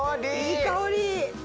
いい香り！